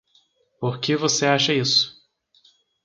Por que você acha isso?